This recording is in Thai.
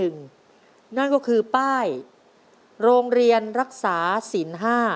นั่นก็คือป้ายโรงเรียนรักษาศิลป์๕